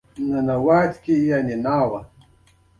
د نولس سوه اووه دېرش کال سرشمېرنه ژوندی مثال دی.